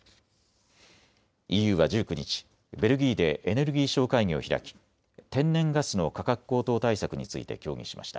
ＥＵは１９日、ベルギーでエネルギー相会議を開き天然ガスの価格高騰対策について協議しました。